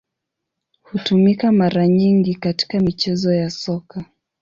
Hutumika mara nyingi katika michezo ya Soka.